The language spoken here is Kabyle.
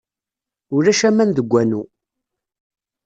Ulac aman deg wanu.